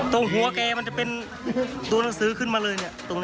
ตรงนี้สลูกนี้